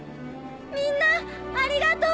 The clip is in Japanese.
みんなありがとう！